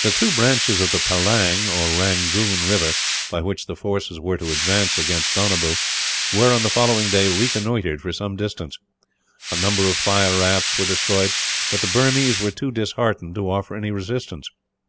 The two branches of the Pellang (or Rangoon) river, by which the force were to advance against Donabew were, on the following day, reconnoitred for some distance. A number of fire rafts were destroyed, but the Burmese were too disheartened to offer any resistance.